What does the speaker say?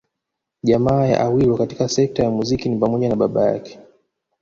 Jamaa ya Awilo katika sekta ya muziki ni pamoja na baba yake